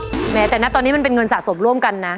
แม้แต่นะตอนนี้มันเป็นเงินสะสมร่วมกันนะ